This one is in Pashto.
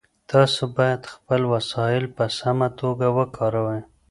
تاسو باید خپل وسایل په سمه توګه وکاروئ.